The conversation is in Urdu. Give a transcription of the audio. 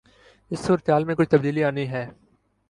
اس صورتحال میں کچھ تبدیلی آنی ہے۔